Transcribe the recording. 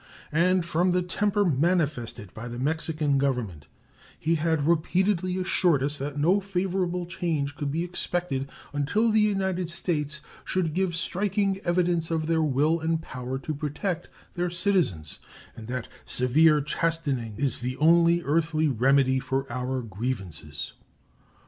And from the temper manifested by the Mexican Government he had repeatedly assured us that no favorable change could be expected until the United States should "give striking evidence of their will and power to protect their citizens," and that "severe chastening is the only earthly remedy for our grievances."